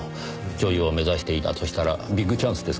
女優を目指していたとしたらビッグチャンスですからねぇ。